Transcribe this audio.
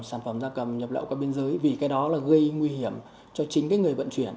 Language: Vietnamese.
sản phẩm da cầm nhập lậu qua biên giới vì cái đó là gây nguy hiểm cho chính cái người vận chuyển